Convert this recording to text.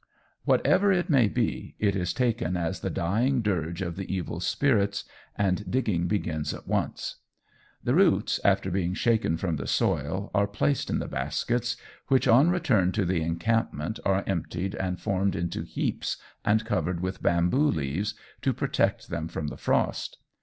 Whatever it may be, it is taken as the dying dirge of the evil spirits, and digging begins at once. "The roots, after being shaken from the soil, are placed in the baskets, which on return to the encampment are emptied and formed into heaps, and covered with bamboo leaves to protect them from the frost.